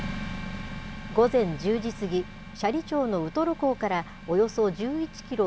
午前１０時過ぎ、斜里町のウトロ港からおよそ１１キロ